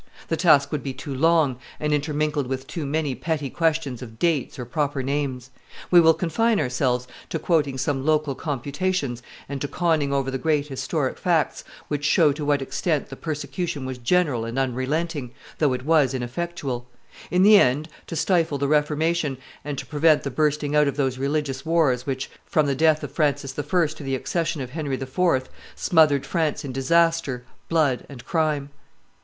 the task would be too long and intermingled with too many petty questions of dates or proper names; we will confine ourselves to quoting some local computations and to conning over the great historic facts which show to what extent the persecution was general and unrelenting, though it was ineffectual, in the end, to stifle the Reformation and to prevent the bursting out of those religious wars which, from the death of Francis I. to the accession of Henry IV., smothered France in disaster, blood, and crime.